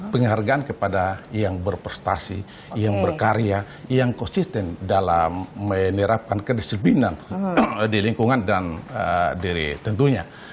penghargaan kepada yang berprestasi yang berkarya yang konsisten dalam menerapkan kedisiplinan di lingkungan dan diri tentunya